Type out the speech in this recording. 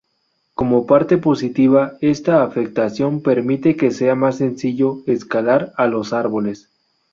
Como parte positiva esta afectación permite que sea más sencillo escalar a los árboles.